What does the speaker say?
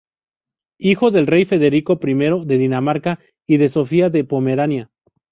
Hijo del rey Federico I de Dinamarca y de Sofía de Pomerania.